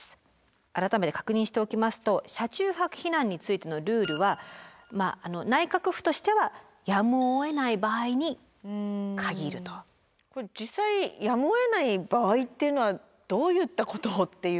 改めて確認しておきますと車中泊避難についてのルールは内閣府としてはこれ実際やむをえない場合っていうのはどういったことっていう。